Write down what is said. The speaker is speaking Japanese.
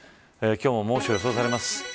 今日も猛暑が予想されます。